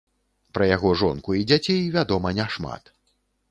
Пра яго жонку і дзяцей вядома няшмат.